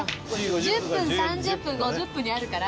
１０分３０分５０分にあるから。